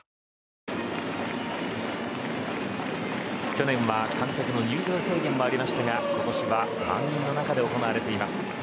去年は観客の入場制限もありましたが今年は満員の中で行われています。